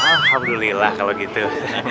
alhamdulillah kalau gitu